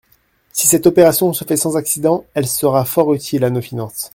Si cette opération se fait sans accident, elle sera fort utile à nos finances.